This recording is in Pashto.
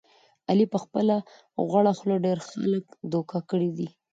علي په خپله غوړه خوله ډېر خلک دوکه کړي دي.